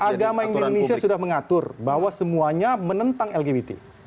lima agama dan enam agama yang ada di indonesia sudah mengatur bahwa semuanya menentang lgbt